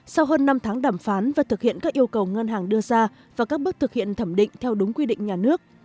sau hơn năm tháng đàm phán và thực hiện các yêu cầu ngân hàng đưa ra và các bước thực hiện thẩm định theo đúng quy định nhà nước